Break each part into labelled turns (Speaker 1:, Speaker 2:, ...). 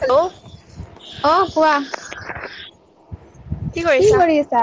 Speaker 1: Hello.
Speaker 2: অ কোৱা?
Speaker 1: [inaudible]
Speaker 2: কি
Speaker 1: কৰিছা?
Speaker 2: কৰি আছা?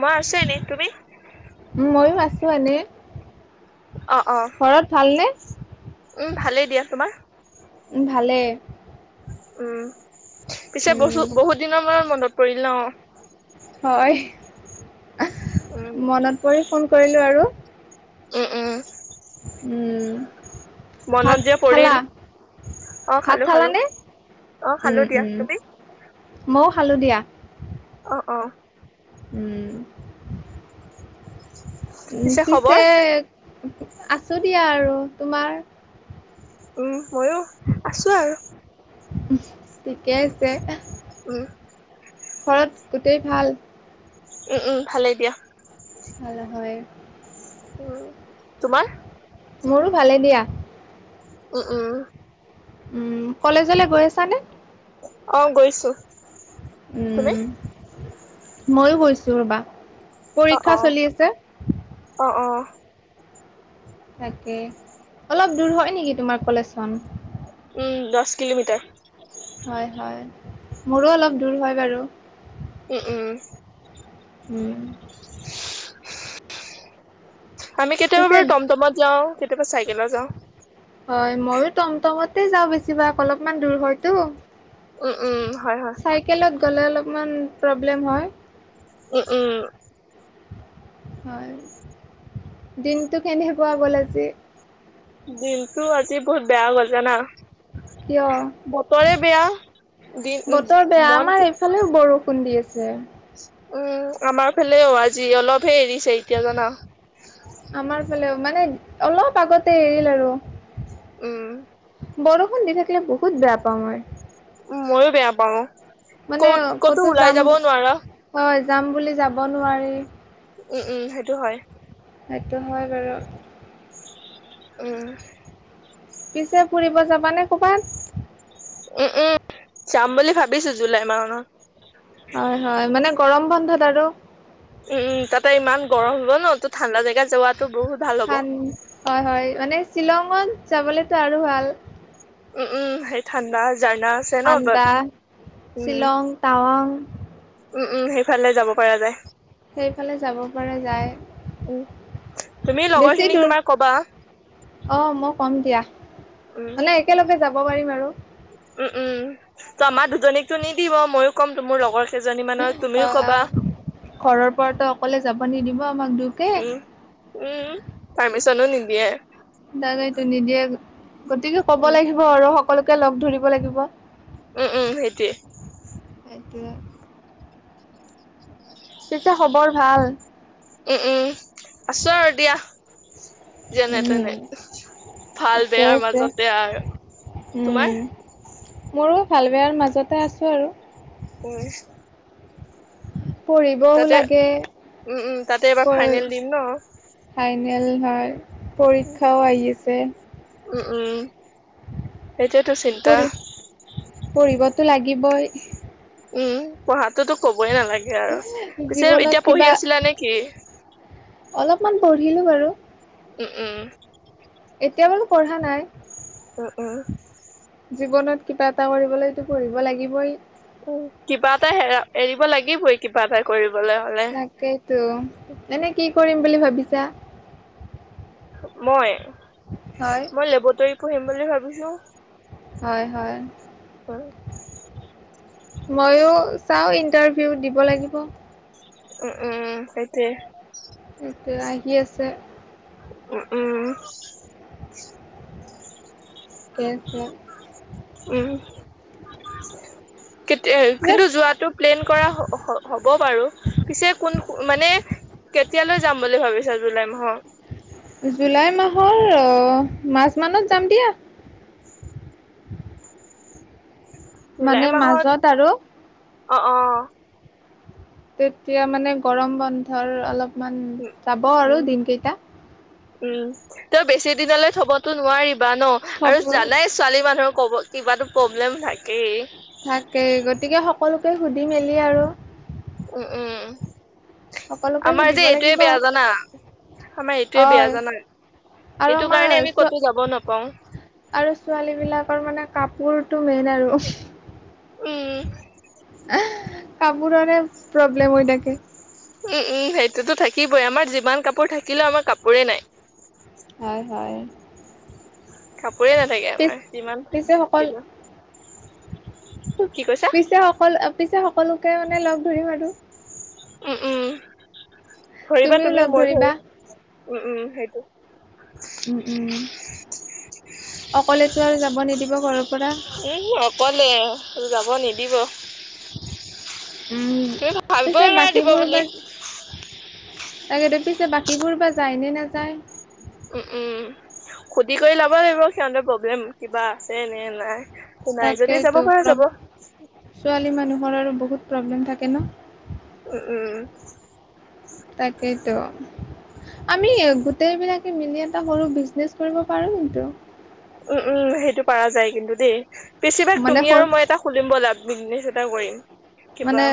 Speaker 1: মই আছো এনে, তুমি?
Speaker 2: উ মইয়ো আছো এনে।
Speaker 1: অ অ।
Speaker 2: ঘৰত ভালনে?
Speaker 1: উম ভালেই দিয়া, তোমাৰ?
Speaker 2: ভালে।
Speaker 1: উম, পিছে
Speaker 2: উম
Speaker 1: বছো বহুত দিনৰ মূৰত মনত পৰিল ন।
Speaker 2: হয়,
Speaker 1: উম,
Speaker 2: মনত পৰি ফোন কৰিলো আৰু।
Speaker 1: উম উম।
Speaker 2: উম, ভাত
Speaker 1: মনত যে পৰিল,
Speaker 2: খালা?
Speaker 1: অ',
Speaker 2: ভাত
Speaker 1: খালো খালো,
Speaker 2: খালানে?
Speaker 1: অ', খালো
Speaker 2: উম
Speaker 1: দিয়া,
Speaker 2: উম
Speaker 1: তুমি?
Speaker 2: মইয়ো খালো দিয়া।
Speaker 1: অ অ।
Speaker 2: উম। উ পিছে আছো দিয়া আৰু তোমাৰ?
Speaker 1: উম মইয়ো আছো আৰু।
Speaker 2: ঠিকেই আছে।
Speaker 1: উম।
Speaker 2: ঘৰত গোটেই ভাল।
Speaker 1: উম উম, ভালেই দিয়া।
Speaker 2: ভাল নহয়।
Speaker 1: উম, তোমাৰ?
Speaker 2: মোৰো ভালে দিয়া।
Speaker 1: উ উম।
Speaker 2: উম, কলেজলে গৈ আছানে?
Speaker 1: অ গৈছো। তুমি?
Speaker 2: উম, ময়ো গৈছো ৰ'বা।
Speaker 1: অ
Speaker 2: পৰীক্ষা
Speaker 1: অ,
Speaker 2: চলি আছে
Speaker 1: অ অ।
Speaker 2: তাকে, অলপ দূৰ হয় নেকি তোমাৰ কলেজখন?
Speaker 1: উম, দছ কিলোমিটাৰ।
Speaker 2: হয় হয়, মোৰো অলপ দূৰ হয় বাৰু।
Speaker 1: উ উম।
Speaker 2: উম।
Speaker 1: [unintelligible] আমি
Speaker 2: পিছে
Speaker 1: কেতিয়াবাৰ টমটমত যাওঁ কেতিয়াবা চাইকেলত যাওঁ।
Speaker 2: হয় মইয়ো টমটমতে যাওঁ বেছিভাগ অলপমান দূৰ হয়তো।
Speaker 1: উম উম হয় হয়।
Speaker 2: চাইকেলত গ'লে অলপমান প্ৰব্লেম হয়।
Speaker 1: উম উম।
Speaker 2: হয় দিনটো কেনেকুৱা গ'ল আজি?
Speaker 1: দিনতটো আজি বহুত বেয়া গল জানা।
Speaker 2: কিয়
Speaker 1: বতৰে বেয়া দিন ওম মন।
Speaker 2: খুন্দি আছে।
Speaker 1: উম আমাৰ ফালেও আজি অলপহে এৰিছে এতিয়া জানা।
Speaker 2: আমাৰ ফালেও মানে অলপ আগতে এৰিল আৰু।
Speaker 1: উম
Speaker 2: বৰষুণ দি থাকিলে বহুত বেয়া পাওঁ মই।
Speaker 1: ময়ো বেয়া পাও,
Speaker 2: মানে
Speaker 1: কত ক'তো ওলাই
Speaker 2: যাম
Speaker 1: যাবও নোৱাৰা।
Speaker 2: হয় যাম বুলি যাব নোৱাৰি।
Speaker 1: উম উম সেইটো হয়।
Speaker 2: সেইটো হয় বাৰু।
Speaker 1: উম।
Speaker 2: পিছে ফুৰিব যাবানে কবাত।
Speaker 1: উম উম যাম বুলি ভাবিছো জুলাই মা নত।
Speaker 2: হয় হয় মানে গৰম বন্ধত আৰু।
Speaker 1: উম তাতে ইমান গৰম হ'ব ন, তো ঠাণ্ডা জেগাত যোৱাত তো বহুত ভাল। হ'ব
Speaker 2: হান হয় হয় মানে শ্বিলঙত যাবলেতো আৰু ভাল।
Speaker 1: উম উম ঠাণ্ডা জাৰগা।
Speaker 2: থাণ্ডা শ্বিলং, টাৱং,
Speaker 1: উম উম সেইফালে যাব পৰা যায়।
Speaker 2: সেইফালে যাব পৰা
Speaker 1: উম
Speaker 2: যায়।
Speaker 1: তুমি লগৰ
Speaker 2: বেছি
Speaker 1: খিনিক
Speaker 2: দূৰ,
Speaker 1: তোমাৰ কবা
Speaker 2: অ মই কম দিয়া,
Speaker 1: উম
Speaker 2: মানে কেলগে যাব পাৰিম আৰু।
Speaker 1: উম উম ত আমাৰ দুজনীকতো নিদিব ময়ো ক'ম তো মোৰ লগৰ কেইজনী মানৰ তুমিও
Speaker 2: হয়
Speaker 1: কবা
Speaker 2: ঘৰৰ পৰাতো অকলে যাব নিদিব আমাক দোয়োকে,
Speaker 1: উম উম পাৰ্মিচনো নিদিয়ে।
Speaker 2: দাদ এইটো নিদিয়ে গতিকে ক'ব
Speaker 1: উম
Speaker 2: লাগিব আৰু সকলোকে লগ ধৰিব লাগিব।
Speaker 1: উম উম সেইটয়ে
Speaker 2: এইটোয়ে পিছে খবৰ ভাল
Speaker 1: উম উম আছো আৰ দিয়া। যেনে
Speaker 2: উম,
Speaker 1: তেনে ভাল
Speaker 2: ঠিকে
Speaker 1: বেয়াৰ
Speaker 2: আছে।
Speaker 1: মাজতে আৰু,
Speaker 2: উম।
Speaker 1: তোমাৰ?
Speaker 2: মোৰো ভাল বেয়াৰ মাজতে আছো আৰু
Speaker 1: উম
Speaker 2: পঢ়িবও
Speaker 1: তাতে
Speaker 2: লাগে
Speaker 1: উম উম তাতে
Speaker 2: প
Speaker 1: এবাৰ ফাইনেল দিম ন
Speaker 2: ফাইনেল হয় পৰীক্ষাও আহি আছে
Speaker 1: সেইটোএ টো চিন্তা
Speaker 2: পঢ়ি পঢ়িবতো লাগিবই
Speaker 1: উম পঢ়াতটোতো কবই নালাগে আৰু। পিছে
Speaker 2: জীৱনত
Speaker 1: এতিয়া
Speaker 2: কিবা
Speaker 1: পঢ়ি আছিলা নে কি?
Speaker 2: অলপমান পঢ়িলো বাৰু।
Speaker 1: উম উম
Speaker 2: এতিয়া বাৰু পঢ়া নাই
Speaker 1: উম উম
Speaker 2: জীৱনত কিবা এটা কৰিবলেই টো পঢ়িব লাগিবই
Speaker 1: উ কিবা এটা হেৰা এৰিব লাগিবই কিবা এটা কৰিবলে হ'লে।
Speaker 2: তাকেইতো। এনে কি কৰিম বুলি ভাবিছা?
Speaker 1: মই?
Speaker 2: হয়।
Speaker 1: মই লেবটৰী পঢ়িম বুলি ভাবিছো।
Speaker 2: হয় হয়।
Speaker 1: অ।
Speaker 2: মইো চাওঁ ইণ্টাৰভিউ দিব লাগিব।
Speaker 1: উ উ সেইটোৱে।
Speaker 2: সেইটোৱে আহি আছে
Speaker 1: উ উম।
Speaker 2: [inaudible]
Speaker 1: উম। কেতি,
Speaker 2: যে
Speaker 1: কিন্তু যোৱাটো প্লেন কৰা হ-হ-হ'ব বাৰু। পিছে কোন মানে কেতিয়ালৈ যাম বুলি ভাবিছা জুলাই মাহত।
Speaker 2: জুলাই মাহৰ মাচ মানত যাম দিয়া।
Speaker 1: জুলাই
Speaker 2: মানে
Speaker 1: মাহত,
Speaker 2: মাজত আৰু
Speaker 1: অ অ।
Speaker 2: তেতিয়া মানে গৰম বন্ধৰ অলপমান
Speaker 1: উম
Speaker 2: যাব আৰু
Speaker 1: উম
Speaker 2: দিন কেইটা।
Speaker 1: উম তই বেছি দিনলৈ থবতো নোৱাৰিবা ন,
Speaker 2: থব
Speaker 1: আৰু জানাই ছোৱালী মানুহৰ ক'ব কিবাটো প্ৰব্লেম থাকেই।
Speaker 2: থাকে গতিকে সকলোকে সুধি মেলি আৰু
Speaker 1: উম উম।
Speaker 2: সকলোকে
Speaker 1: আমাৰ
Speaker 2: সুধিব
Speaker 1: যে এইটোৱে
Speaker 2: লাগিব
Speaker 1: বেয়া জানা, আমাৰ এইটোয়ে বেয়া
Speaker 2: হয়
Speaker 1: জানা।
Speaker 2: আৰু
Speaker 1: এইটো
Speaker 2: আমাৰ
Speaker 1: কাৰণে আমি
Speaker 2: ছো-
Speaker 1: ক'তো যাব নাপাওঁ।
Speaker 2: আৰু ছোৱালী বিলাকৰ মানে কাপোৰতো মেইন আৰু।
Speaker 1: উম
Speaker 2: কাপোৰৰে প্ৰব্লেম হৈ থাকে।
Speaker 1: উম উম সেইটোতো থাকিবই, আমাৰ যিমান কাপোৰ থাকিলেও আমাৰ কাপোৰে নাই।
Speaker 2: হয় হয়।
Speaker 1: কাপোৰে নাথাকে
Speaker 2: পিছ
Speaker 1: আমাৰ যিমান
Speaker 2: পিছে সকল
Speaker 1: কিলো কি কৈছা?
Speaker 2: পিছে সকল পিছে সকলোকে মানে লগ ধৰিম আৰু।
Speaker 1: উম উম ধৰিবা
Speaker 2: লগ
Speaker 1: তুমিও মই ধৰি
Speaker 2: ধৰিবা
Speaker 1: উম উম সেইটো।
Speaker 2: উম উম অকলেতো আৰু যাব নিদিব ঘৰৰ পৰা।
Speaker 1: এই অকলে যাব নিদিব।
Speaker 2: উম
Speaker 1: তুমি
Speaker 2: পিছে
Speaker 1: ভাবিবই নোৱাৰা দিব
Speaker 2: বাকীবোৰ
Speaker 1: বুলি।
Speaker 2: বা তাকেতো, পিছে বাকীবোৰ বা যায় নে নাযায়।
Speaker 1: উম উম সুধি কৰি লব লাগিব সিহঁতৰ প্ৰব্লেম কিবা আছে নে নাই। নাই যদি যাব
Speaker 2: তাকেইতো
Speaker 1: পৰা যাব।
Speaker 2: প্ৰ- ছোৱালী মানুহৰ আৰু বহুত প্ৰব্লেম থাকে ন।
Speaker 1: উ উম।
Speaker 2: তাকেতো। আমি গোটেই বিলাকে মিলি এটা সৰু বিজনেচ কৰিব পাৰো কিন্তু।
Speaker 1: উম উম সেইটো পৰা কিন্তু দেই, বেছিভাগ
Speaker 2: মানে
Speaker 1: তুমি
Speaker 2: সৰু
Speaker 1: আৰু মই এটা খুলিম বলা বিজনেছ এটা কৰিম। কিবা
Speaker 2: মানে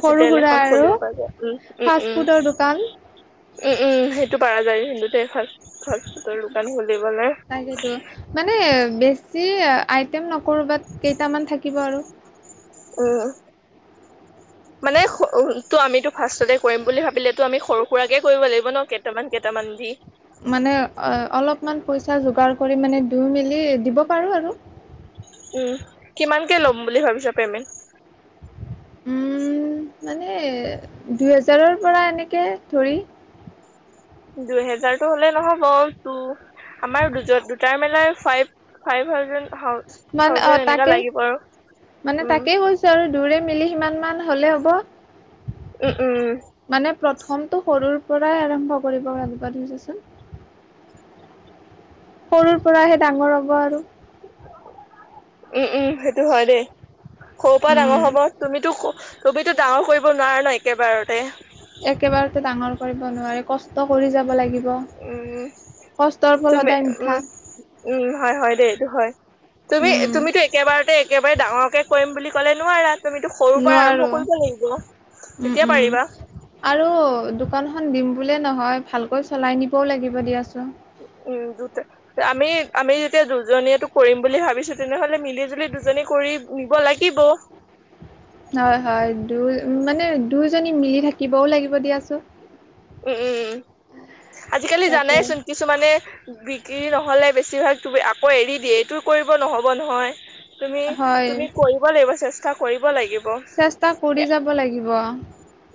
Speaker 2: সৰু সুৰা
Speaker 1: এখন
Speaker 2: আৰু
Speaker 1: খুলিব পৰা যায়, উম উম
Speaker 2: ফাষ্ট ফুডৰ দোকান
Speaker 1: উম। উম উম সেইটো পাৰা যায় কিন্তু দেই ফাষ্ট ফাষ্ট ফুটৰ দোকান খুলিবলৈ।
Speaker 2: তাকেইতো মানে বেছি আইটেম নকৰো বাত কেইটামান থাকিব আৰু।
Speaker 1: উম।
Speaker 2: [inaudible]
Speaker 1: মানে [unintelligible] তো আমিতো ফাৰ্ষ্টতে কৰিম বুলি ভাবিলেতো আমি সৰু সুৰাকে কৰিব লাগিব ন কেইটামান কেইটামান দি।
Speaker 2: মানে অলপমান পইচা যোগাৰ কৰি মানে, ‌ ধুই মেলি দিব পাৰোঁ আৰু
Speaker 1: উম্ কিমানকে ল'ম বুলি ভাবিছা পেমেণ্ট?
Speaker 2: উম্ মানে দুই হেজাৰৰ পৰা এনেকে ধৰি।
Speaker 1: দুই হেজাৰটো তো হ'লে নহব টো। আমাৰ দুজ দুটাৰ মেলাই ফাইভ ফাইভ থাউজে
Speaker 2: মানে অ' তাকে মানে,
Speaker 1: উম
Speaker 2: তাকেই কৈছ [unintelligible] দুয়োৰে মিলি সিমান মান হ'লে হ'ব।
Speaker 1: উ উম্।
Speaker 2: মানে প্ৰথমটো সৰুৰ পৰাই আৰম্ভ কৰিব লাগিব দে দেচোন। সৰুৰ পৰাহে ডাঙৰ হ'ব আৰু
Speaker 1: উম্ উম্ সেইটো হয় দেই। সৰুৰপৰা
Speaker 2: উম
Speaker 1: ডাঙৰ হ'ব, তুমিতো তুমিতো ডাঙৰ কৰিব নোৱাৰা ন একেবাৰতে।
Speaker 2: একেবাৰতে ডাঙৰ কৰিব নোৱাৰে কষ্ট কৰি যাব লাগিব।
Speaker 1: উম্।
Speaker 2: কষ্টৰ ফল
Speaker 1: তুমি
Speaker 2: সদায় মিঠা
Speaker 1: উম্ উম্ হয় হয় দেই এটো হয়। তুমি
Speaker 2: উম,
Speaker 1: তুমিতো একেবাৰতে একেবাৰে ডাঙৰকৈ কৰিম বুলি ক'লে নোৱাৰা। তুমিতো সৰুৰ পৰাই
Speaker 2: নোৱাৰো
Speaker 1: আৰম্ভ কৰিব লাগিব
Speaker 2: উম,
Speaker 1: তেতিয়া
Speaker 2: উম।
Speaker 1: পাৰিবা।
Speaker 2: আৰু দোকানখন দিম বুলিয়ে নহয়, ভালকৈ চলাই নিবও লাগিব দিয়াচোন।
Speaker 1: উম্ দুটা আমি আমি যেতিয়া দুজনীয়েটো কৰিম বুলি ভাবিছোঁ তেনেহ'লে মিলি জুলি দুজনীয়ে কৰিম। নিব লাগিব।
Speaker 2: হয় হয় দু মানে দুইজনী মিলি থাকিবও লাগিব দিয়াচোন।
Speaker 1: উম্ উম্ উম্ আজিকালি
Speaker 2: তাকে।
Speaker 1: জানাইচোন কি কিছুমানে বিক্ৰী নহ'লে বেছিভাগ তুমি আকৌ এৰি দিয়ে, এইটো কৰিব নহ'ব নহয়। তুমি
Speaker 2: হয়,
Speaker 1: তুমি কৰিব লাগিব চেষ্টা কৰিব লাগিব।
Speaker 2: চেষ্টা কৰি যাব লাগিব।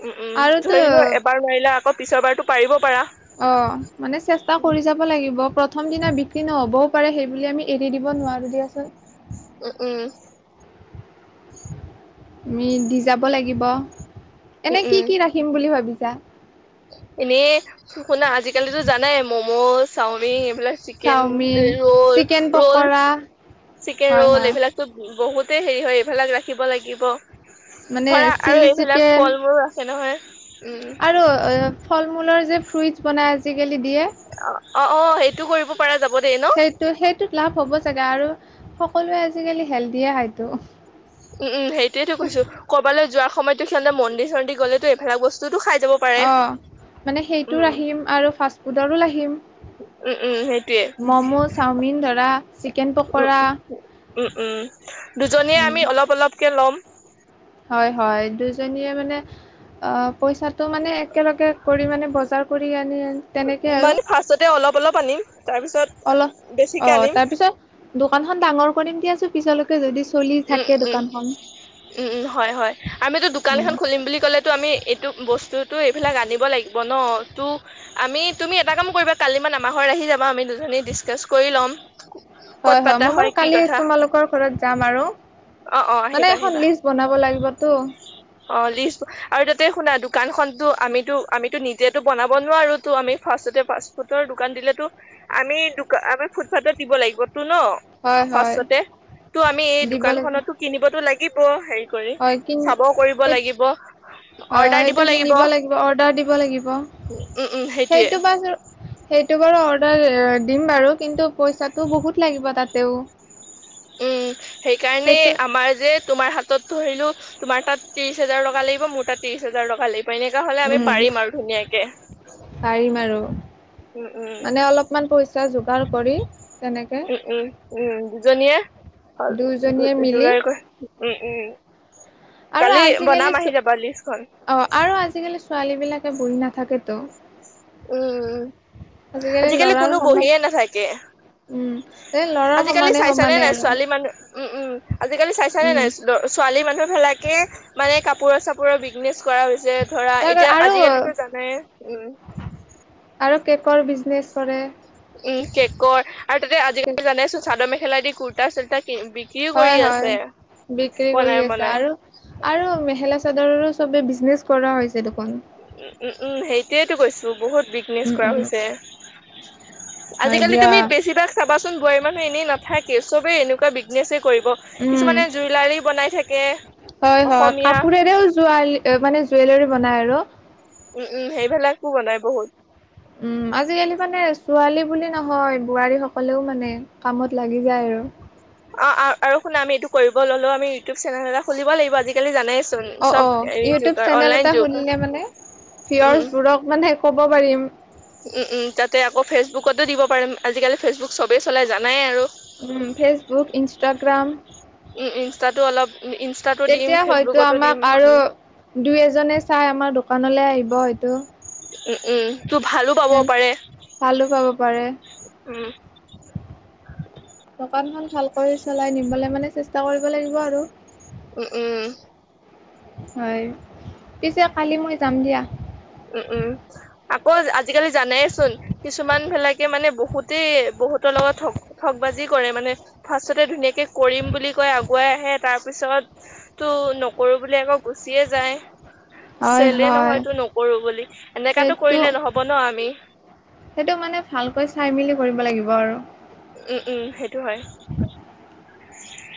Speaker 1: উম্ উম্
Speaker 2: আৰুতো
Speaker 1: ধৰি লোৱা এবাৰ নোৱাৰিলা আকৌ পিছৰ বাৰতো পাৰিব পাৰা।
Speaker 2: অ' মানে চেষ্টা কৰি যাব [unintelligible] লাগিব প্ৰথম দিনা বিক্ৰী নহ'বও পাৰে সেইবুলি আমি এৰি দিব নোৱাৰো দিয়াচোন।
Speaker 1: উ্ উম্।
Speaker 2: আমি দি যাব লাগিব,
Speaker 1: উম
Speaker 2: এনে কি কি ৰাখিম বুলি ভাবিছা?
Speaker 1: এনে শুনা, আজিকালিতো জানাই মম চাওমিন এইবিলাক chicken
Speaker 2: chowmein,
Speaker 1: roll
Speaker 2: chicken
Speaker 1: roll
Speaker 2: pakora
Speaker 1: chicken
Speaker 2: হয়,
Speaker 1: ৰল
Speaker 2: হয়।
Speaker 1: এইবিলাক বহুতে হেৰি হয় এইবিলাক ৰাখিব লাগিব।
Speaker 2: মানে
Speaker 1: ধৰা আৰু
Speaker 2: চিলি
Speaker 1: এইবিলাক
Speaker 2: চিকেন
Speaker 1: ফল মূল তে নহয় উম্।
Speaker 2: আৰু অ' ফল মূলৰ যে ফ্ৰুইটছ বনাই আজিকালি দিয়ে।
Speaker 1: অ' অ' অ' সেইটো কৰিব পৰা যাব দেই ন।
Speaker 2: তো সেইটোত লাভ হ'ব [unintelligible] আৰু সকলোৱে আজিকালি হেল্ডিয়ে খাইতো।
Speaker 1: উম্ উম্ সেইটয়েতো কৈছোঁ ক'ৰবালে যোৱাৰ সময়তো সিহঁতে মন্দিৰ চন্দিৰ গ'লেতো এইবিলাক বস্তুটো খাই যাব। পাৰে
Speaker 2: অ'। মানে সেইটো
Speaker 1: উম
Speaker 2: ৰাখিম আৰু ফাষ্ট ফুডৰো ৰাখিম।
Speaker 1: উম উম সেইটোয়ে
Speaker 2: মমোজ চাওমিন ধৰা চিকেন পকৰা।
Speaker 1: উম্ উম্ দুজনীয়ে
Speaker 2: উম
Speaker 1: আমি অলপ অলপকৈ ল'ম।
Speaker 2: হয় হয় দুজনিয়ে মানে অ' পইচাটো মানে একেলগে কৰি মানে বজাৰ কৰি আনি আনি-
Speaker 1: মানে ফাৰ্ষ্টতে অলপ অলপ আনিম, তাৰপিছত-
Speaker 2: অলপ
Speaker 1: বেছিকে আনিম
Speaker 2: অ' দোকানখন ডাঙৰ কৰিম দিয়াচো- পিছলৈকে যদি চলি
Speaker 1: উম
Speaker 2: থাকে
Speaker 1: উম
Speaker 2: দোকানখন।
Speaker 1: উম' উম' হয় হয়, আমিতো দোকান
Speaker 2: উম
Speaker 1: এখন বুলি কলে- টো আমি এইটো বস্তুটো এইবিলাক আনিব লাগিব ন, টো- আমি তুমি এটা কাম কৰিবা, কালিমান আমাৰ ঘৰত আহি যাবা আমি দুজনী ডিচকাচ কৰি ল'ম। ক'ত
Speaker 2: হয় হয়,
Speaker 1: পাতা
Speaker 2: মই বাৰু
Speaker 1: কি
Speaker 2: কালি
Speaker 1: কথা
Speaker 2: তোমালোকৰ ঘৰত- যাম আৰু,
Speaker 1: অ অ
Speaker 2: মানে
Speaker 1: আহিবা
Speaker 2: এখন
Speaker 1: আহিবা
Speaker 2: লিচ বনাব লাগিবতো।
Speaker 1: অ লিষ্ট আৰু তাতে শুনা দোকানখনতো আমিতো আমিতো নিজেতো বনাব নোৱাৰো, তো আমি- ফাষ্টতে ফাষ্ট ফুডৰ দোকান দিলেতো আমি দোক আমি ফুডফাথত দিব লাগিবতো ন।
Speaker 2: হয় হয়।
Speaker 1: ফাৰ্ষ্টতে তো আমি এই
Speaker 2: দিব লাগিব
Speaker 1: দোকানখনততো কিনিবতো লাগিব হেৰি কৰি
Speaker 2: হয় কিন
Speaker 1: চাব কৰিব
Speaker 2: সেই
Speaker 1: লাগিব।
Speaker 2: হয়
Speaker 1: অৰ্ডাৰ
Speaker 2: হয়,
Speaker 1: দিব
Speaker 2: এইটো কিনিব লাগিব অৰ্ডাৰ দিব লাগিব।
Speaker 1: উম উম সেইটোয়ে
Speaker 2: সেইটো বা চো- সেইটো বাৰু অৰ্ডাৰ দিম বাৰু, কিন্তু পইচাটো বহুত লাগিব তাতেও। [inaudible]
Speaker 1: উম' সেইকাৰণে
Speaker 2: সেইটো
Speaker 1: আমাৰ যে- তোমাৰ হাতত ধৰিলো তোমাৰ তাত ত্ৰিশ হাজাৰ টকা লাগিব মোৰ তাত ত্ৰিশ হাজাৰ টকা লাগিব। উপাই নাইকা হলে আমি
Speaker 2: উম
Speaker 1: পাৰিম আৰু ধুনীয়াকে।
Speaker 2: পাৰিম
Speaker 1: উম' উম'।
Speaker 2: কিমান পইচা যোগাৰ কৰি তেনেকে-
Speaker 1: উম উম' উম' দুজনীয়ে
Speaker 2: দুয়োজনীয়ে মিলি
Speaker 1: যোগাৰ কৰি- উম উম।
Speaker 2: আৰু
Speaker 1: কালি
Speaker 2: আজিকালি
Speaker 1: বনাম আহি
Speaker 2: ছো
Speaker 1: যাবা লিষ্টখন
Speaker 2: অঁ আৰু আজিকালি ছোৱালী বিলাকে বহি নাথাকেতো।
Speaker 1: উম' উম' আজিকালি কোনো বহিয়ে নাথাকে।
Speaker 2: এ ল-
Speaker 1: আজিালি চাইছ নে নাই ছোৱালী মানুহ উম' উম' আজিকালি চাইছনে
Speaker 2: উম,
Speaker 1: নাই ছো- দ ছোৱালী মানুহ ফেলাকে মানে কাপোৰৰ চাপোৰৰ বিজনেচ কৰা হৈছে। ধৰা
Speaker 2: তাৰ
Speaker 1: এতিয়া
Speaker 2: আৰু
Speaker 1: আজিকালিতো জানাই। উম'
Speaker 2: আৰু কেকৰ বিজ-
Speaker 1: উম' কেকৰ আৰু তাতে
Speaker 2: কেক
Speaker 1: আজিকালি জানেচোন চাদৰ মেখেলা দি কুুৰ্ত- তা চুৰতা কি বি-
Speaker 2: হয় হয়, বিক্ৰী কৰি আছে
Speaker 1: বনাই
Speaker 2: আৰু- আৰু মেখেলা চাদৰৰো চবে বিজনেচ কৰা হৈছে দেখোন।
Speaker 1: উম' উম' উম' সেইটোৱেটো কৈছো, বহুত বিজনেছ
Speaker 2: উম
Speaker 1: কৰা
Speaker 2: উম
Speaker 1: হৈছে।
Speaker 2: হয়
Speaker 1: আজিকালি
Speaker 2: দিয়া
Speaker 1: তুমি বেছিভাগ- চাবাচোন বোৱাৰী মানুহ এনেই নাথাকেই, চবেই এনেকুৱা বিজনেছেই কৰিব।
Speaker 2: উম
Speaker 1: কিছুমানে জুইলাৰি বনাই থাকে।
Speaker 2: হয় হয়,
Speaker 1: অসমীয়া
Speaker 2: কাপোৰেৰেও জুৱা মানে জুৱেলাৰি বনাই আৰু।
Speaker 1: উম' উম' সেইবিলাকো বনাই বহুত।
Speaker 2: উম', আজিকালি মানে ছোৱালী বুলি নহয়, বোৱাৰীসকলেও মানে কামত লাগি যায় আৰু।
Speaker 1: অঁ অঁ আৰু শুনা আমি এইটো কৰিব ললো আমি ইউটিউব চেনেল এটা খুলিব লাগিব আজি- কালি জানাই চোন।
Speaker 2: অঁ অঁ ইউটিউব চেনেল এটা খুলিলে মানে,
Speaker 1: উম উম
Speaker 2: ভিউৱাচবোৰক মানে ক'ব পাৰিম।
Speaker 1: উম' উম' তাতে আকৌ ফেচবুকতো দিব পাৰিম আজিকালি ফেচবুক চবেই চলাই জানাই আৰু।
Speaker 2: উম' ফেচবুক ইনষ্টাগ্ৰাম।
Speaker 1: উম উম ইনষ্টা ইনষ্টাতো দিম
Speaker 2: তেতিয়া হয়তো
Speaker 1: ফেচবুকতো দিম
Speaker 2: আমাক আৰু দুই এজনে চাই আমাৰ দোকানলে আহিব হয়তু
Speaker 1: উম উম তো ভালো পাব পাৰে।
Speaker 2: ভালো পাব পাৰে।
Speaker 1: উম
Speaker 2: দোকানখন ভালকৈ চলাই নিবলে মানে চেষ্টা কৰিব লাগিব আৰু
Speaker 1: উ উ
Speaker 2: হয়, পিছে কালি মই যাম দিয়া।
Speaker 1: উ উ। আকৌ আজি কালি জানাই চোন কিছুমান বিলাকে মানে বহুতেই বহুতৰ লগত হ ঠগ বাজি কৰে মানে, ফাষ্টততে ধুনীয়াকে কৰিম বুলি কয় আগুৱাই আহে তাৰ পিছত তো নকৰো বুলি আকৌ গুচিয়ে যায়।
Speaker 2: হয়,
Speaker 1: চেলে
Speaker 2: হয়।
Speaker 1: নহয়তো নকৰো বুলি এনেকাতো
Speaker 2: সেইটো,
Speaker 1: কৰিলে নহব ন আমি
Speaker 2: সেইটো মানে, ভালকৈ চাই মেলি কৰিব লাগিব আৰু
Speaker 1: উম উম সেইটো হয়। উ [unintelligible]